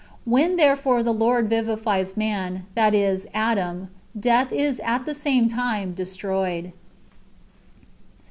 "When therefore the Lord vivifies man, that is, Adam, death is at the same time destroyed.